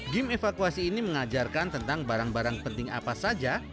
game evakuasi ini mengajarkan tentang barang barang penting apa saja